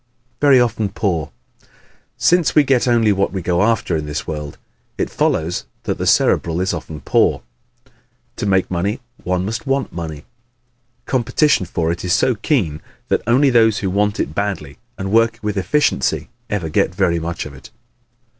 Very Often Poor ¶ Since we get only what we go after in this world, it follows that the Cerebral is often poor. To make money one must want money. Competition for it is so keen that only those who want it badly and work with efficiency ever get very much of it.